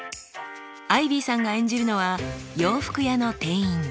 アイビーさんが演じるのは洋服屋の店員。